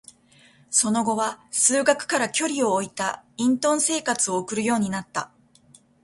その後は、数学から距離を置いた隠遁生活を送るようになった。